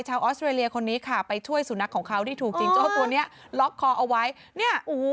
ชาวออสเตรเลียคนนี้ไปช่วยสุนัขของเขาที่ถูกจิงโจ้ตัวเนี่ยล็อกคอเอาไว้